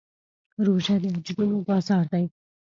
روژه د اجرونو بازار دی.